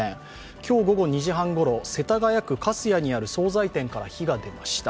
今日午後２時半ころ、世田谷区粕谷にある総菜店から火が出ました。